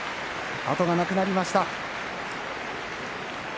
後がなくなりました。